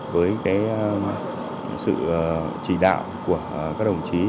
với sự chỉ đạo của các đồng chí